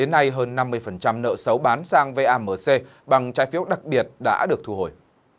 năm mươi nợ xấu bán sang vamc bằng trái phiếu đặc biệt đã được thu hồi